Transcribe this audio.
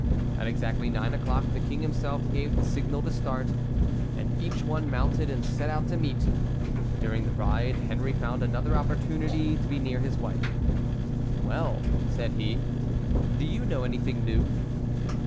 At exactly nine o'clock the King himself gave the signal to start, and each one mounted and set out to the meet. During the ride Henry found another opportunity to be near his wife. "Well," said he, "do you know anything new?"